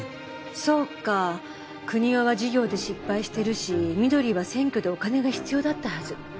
そうか久仁雄は事業で失敗してるしみどりは選挙でお金が必要だったはず。